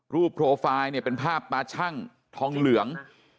รูปโพฟัยเป็นภาพตาช่างท้องเหลือง